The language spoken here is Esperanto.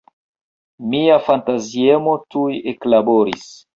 Mia fantaziemo tuj eklaboris.